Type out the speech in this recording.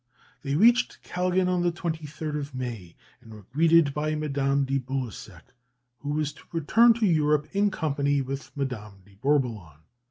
They reached Kalgan on the 23rd of May, and were greeted by Madame de Baluseck, who was to return to Europe in company with Madame de Bourboulon.